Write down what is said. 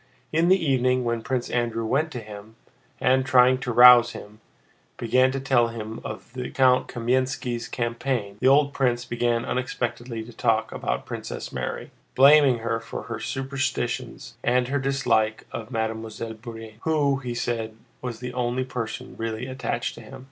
In the evening, when Prince Andrew went to him and, trying to rouse him, began to tell him of the young Count Kámensky's campaign, the old prince began unexpectedly to talk about Princess Mary, blaming her for her superstitions and her dislike of Mademoiselle Bourienne, who, he said, was the only person really attached to him.